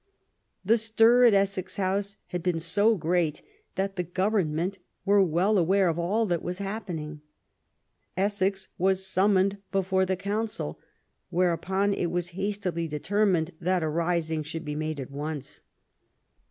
The stir at Essex House had been so great that the Government were well aware of all that was happening. Essex was summoned before the Council ; whereupon it was hastily determined that a rising should be made at once.